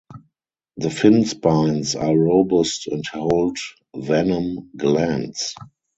The fin spines are robust and hold venom glands.